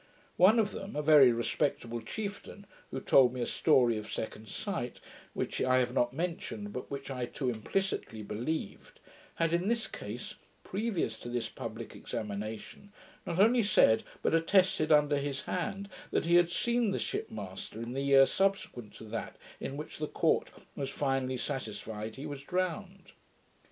One of them, a very respectable chieftain, who told me a story of second sight, which I have not mentioned, but which I too implicitly believed, had in this case, previous to this publick examination, not only said, but attested under his hand, that he had seen the ship master in the year subsequent to that in which the court was finally satisfied he was drowned.